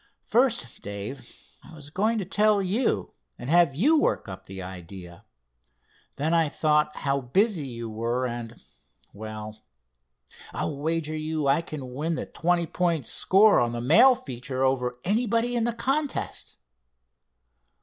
First, Dave, I was going to tell you, and have you work up the idea. Then I thought how busy you were and—well, I'll wager you I can win the twenty point score on the mail feature over anybody in the contest."